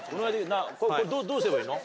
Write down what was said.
これどうすればいいの？